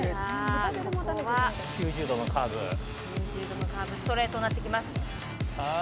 ９０度のカーブ、ストレートになってきます。